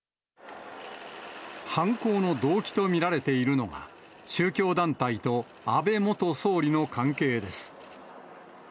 犯行の動機と見られているのが、宗教団体と安倍元総理の関係です。